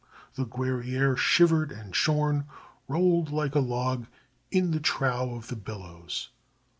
The Guerrière, shivered and shorn, rolled like a log in the trough of the billows.